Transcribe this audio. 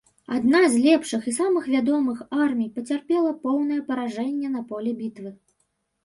Адна з лепшых і самых вядомых армій пацярпела поўнае паражэнне на поле бітвы.